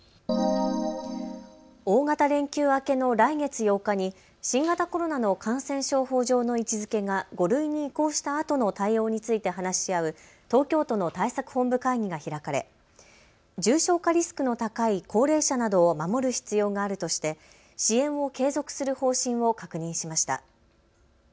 大型連休明けの来月８日に新型コロナの感染症法上の位置づけが５類に移行したあとの対応について話し合う東京都の対策本部会議が開かれ重症化リスクの高い高齢者などを守る必要があるとして支援を継続する方針を確認しました。